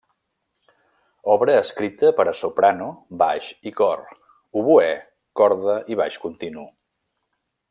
Obra escrita per a soprano, baix i cor; oboè, corda i baix continu.